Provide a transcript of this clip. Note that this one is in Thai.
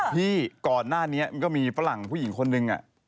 พี่ก่อนหน้านี้มันก็มีฝรั่งผู้หญิงคนนึง